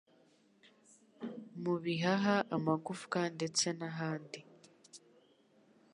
mu bihaha amagufwa ndetse nahandi